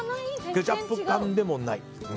ケチャップ感でもない。